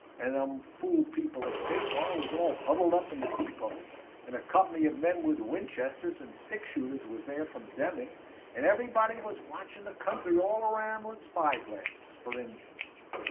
And them fool people at Separ was all huddled up in the depot, and a company of men with Winchesters and six shooters was there from Deming, and everybody was watchin' the country all 'round with spyglasses, for Injuns!